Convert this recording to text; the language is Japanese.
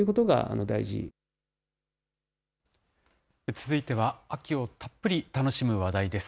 続いては、秋をたっぷり楽しむ話題です。